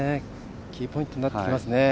キーポイントになりますね。